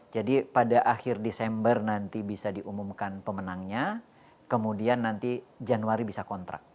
jadi pada akhir desember nanti bisa diumumkan pemenangnya kemudian nanti januari bisa kontrak